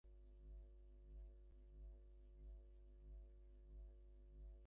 এ নিয়ে তাঁর দল এবং এলাকাবাসীর মধ্যে তীব্র প্রতিক্রিয়ার সৃষ্টি হয়।